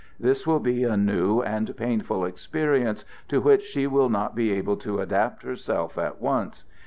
This will be a new and painful experience to which she will not be able to adapt herself at once.